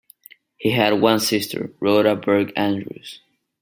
He had one sister, Rhoda Burke Andrews.